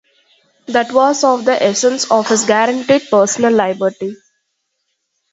That was of the essence of his guaranteed personal liberty.